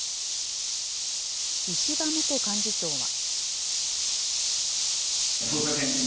石破元幹事長は。